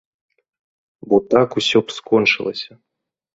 Бо так усё б скончылася.